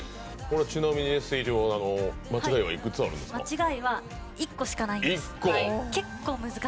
ちなみにまちがいはいくつあるんですか？